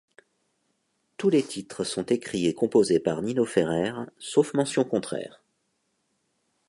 Tous les titres sont écrits et composés par Nino Ferrer, sauf mention contraire.